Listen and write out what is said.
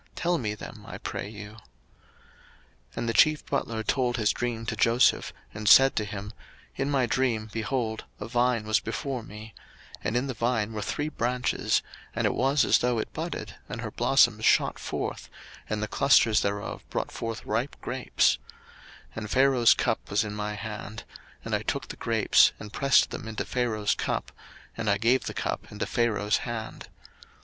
tell me them, I pray you. 01:040:009 And the chief butler told his dream to Joseph, and said to him, In my dream, behold, a vine was before me; 01:040:010 And in the vine were three branches: and it was as though it budded, and her blossoms shot forth; and the clusters thereof brought forth ripe grapes: 01:040:011 And Pharaoh's cup was in my hand: and I took the grapes, and pressed them into Pharaoh's cup, and I gave the cup into Pharaoh's hand.